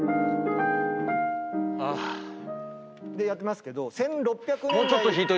でやってますけど１６００年代。